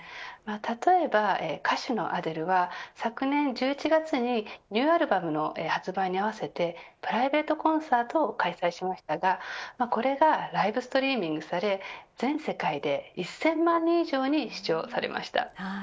例えば、歌手のアデルは昨年１１月にニューアルバムの発売に合わせてプライベートコンサートを開催しましたがこれがライブストリーミングされ全世界で１０００万人以上に視聴されました。